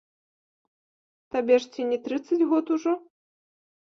Табе ж ці не трыццаць год ужо?